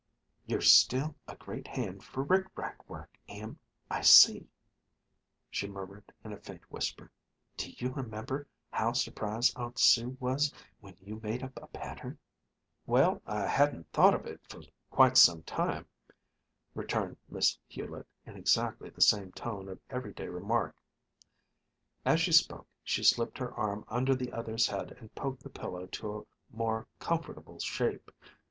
"You're still a great hand for rick rack work, Em, I see," she murmured in a faint whisper. "Do you remember how surprised Aunt Su was when you made up a pattern?" "Well, I hadn't thought of it for quite some time," returned Miss Hulett, in exactly the same tone of everyday remark. As she spoke she slipped her arm under the other's head and poked the pillow to a more comfortable shape.